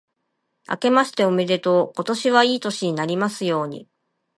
あけましておめでとう。今年はいい年になりますように。